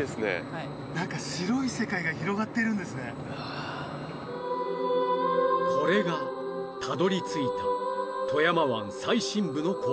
はぁこれがたどり着いた富山湾最深部の光景！